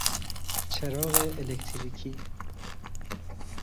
چراغ الکتریکی